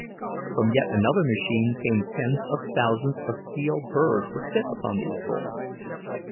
From yet another machine came tens of thousands of steel burs to fit upon these bolts.